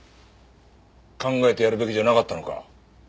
考えてやるべきじゃなかったのか？